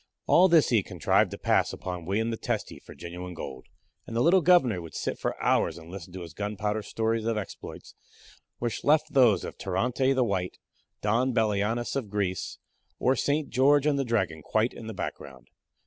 All this he had contrived to pass off upon William the Testy for genuine gold; and the little Governor would sit for hours and listen to his gunpowder stories of exploits, which left those of Tirante the White, Don Belianis of Greece, or St. George and the Dragon quite in the background.